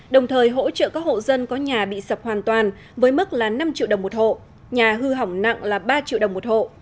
đồng thời hỗ trợ các hộ dân có nhà bị sập hoàn toàn với mức là năm triệu đồng một hộ nhà hư hỏng nặng là ba triệu đồng một hộ